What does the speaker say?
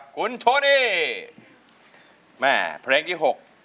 คุณโชนี่แม่เพลงที่๖